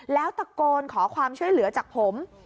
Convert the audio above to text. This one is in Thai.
แล้วตะโกนขอความช่วยเหลือจากผม